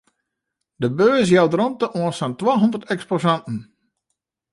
De beurs jout romte oan sa'n twahûndert eksposanten.